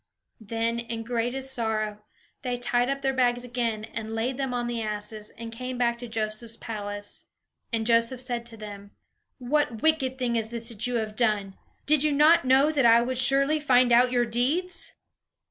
Then, in the greatest sorrow, they tied up their bags again, and laid them on the asses, and came back to Joseph's palace. And Joseph said to them: "What wicked thing is this that you have done? Did you not know that I would surely find out your deeds?"